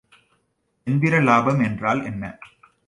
எந்திர இலாபம் என்றால் என்ன?